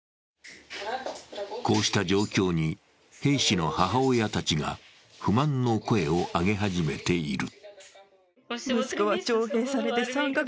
こうした状況に、兵士の母親たちが不満の声を上げ始めている。